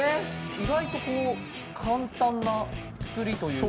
意外と簡単な造りというか。